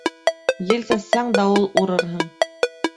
Ел сәсһәң, дауыл урырһың.